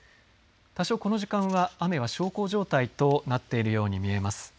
多少、この時間は雨が小康状態となっているように見えます。